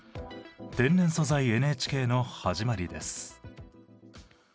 「天然素材ＮＨＫ」の始まりです。